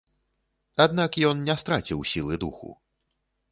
Аднак ён не страціў сілы духу.